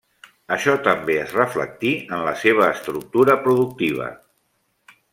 Això també es reflectí en la seva estructura productiva.